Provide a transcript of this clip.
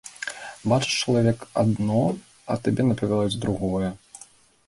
Бачыш чалавек адно, а табе напяваюць другое.